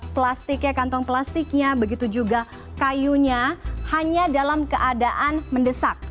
plastiknya kantong plastiknya begitu juga kayunya hanya dalam keadaan mendesak